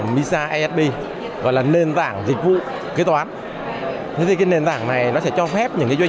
misa esb gọi là nền tảng dịch vụ kế toán thế thì cái nền tảng này nó sẽ cho phép những cái doanh